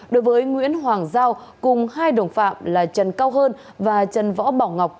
đối với nguyễn hoàng giao cùng hai đồng phạm là trần cao hơn và trần võ bảo ngọc